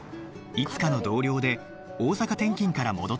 いつかの同僚で大阪転勤から戻った香取俊